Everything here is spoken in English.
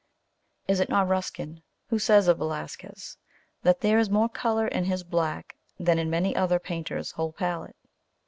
Is it not Ruskin who says of Velasquez, that there is more colour in his black than in many another painter's whole palette?